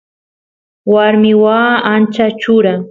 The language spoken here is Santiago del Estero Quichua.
warmi waa ancha chura